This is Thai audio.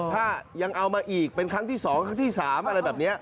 ถ้ายังเอามาอีกเป็นครั้งที่๒ครั้งที่๓อะไรแบบนี้